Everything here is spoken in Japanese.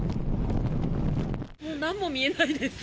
もうなんも見えないです。